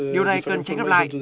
điều này cần tránh gặp lại